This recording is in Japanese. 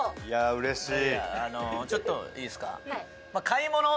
うれしい。